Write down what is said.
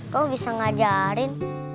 kamu bisa ngajarin